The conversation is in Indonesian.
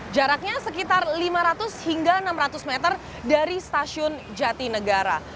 jaraknya sekitar lima ratus hingga enam ratus meter dari stasiun jatinegara